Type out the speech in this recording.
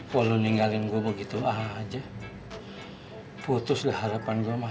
kalo lo ninggalin gue begitu aja putus deh harapan gue mas